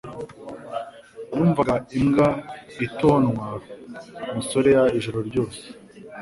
Numvaga imbwa itonwa musorea ijoro ryose